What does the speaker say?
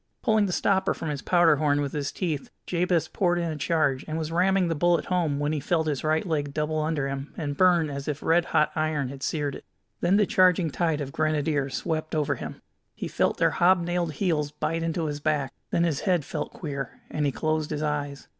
Pulling the stopper from his powder horn with his teeth, Jabez poured in a charge, and was ramming the bullet home when he felt his right leg double under him and burn as if red hot iron had seared it. Then the charging tide of Grenadiers swept over him. He felt their hobnailed heels bite into his back; then his head felt queer, and he closed his eyes.